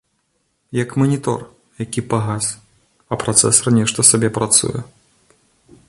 Як манітор, які пагас, а працэсар нешта сабе працуе.